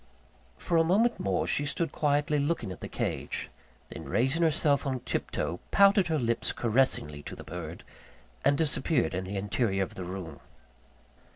For a moment more, she stood quietly looking at the cage; then raising herself on tip toe, pouted her lips caressingly to the bird, and disappeared in the interior of the room.